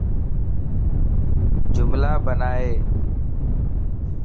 جملا بنائي